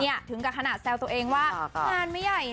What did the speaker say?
เนี่ยถึงกับขณะแซลตัวเองว่างานไม่ใหญ่นะวี